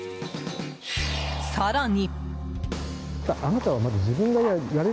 更に。